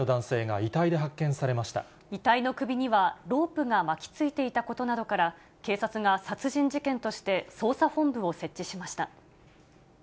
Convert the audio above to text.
遺体の首にはロープが巻きついていたことなどから、警察が殺人事件として、捜査本部を設置しました。